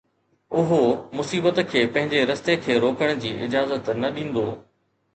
اهو مصيبت کي پنهنجي رستي کي روڪڻ جي اجازت نه ڏيندو.